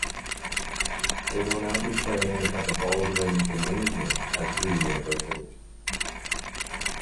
They will now be playing at the Baldwin Gymnasium at Drew University.